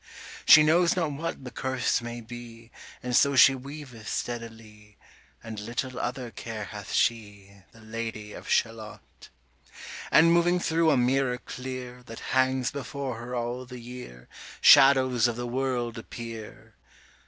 She knows not what the curse may be, And so she weaveth steadily, And little other care hath she, The Lady of Shalott. 45 And moving thro' a mirror clear That hangs before her all the year, Shadows of the world appear.